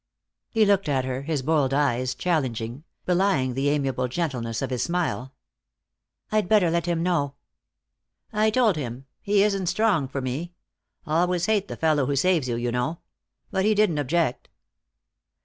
He looked at her, his bold eyes challenging, belying the amiable gentleness of his smile. "I'd better let him know." "I told him. He isn't strong for me. Always hate the fellow who saves you, you know. But he didn't object."